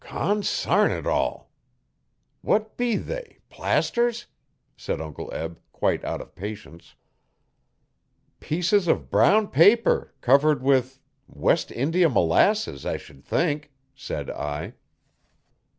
'Consam it all! what be they plasters?' said Uncle Eb, quite out of patience. 'Pieces of brown paper, covered with West India molasses, I should think,' said I.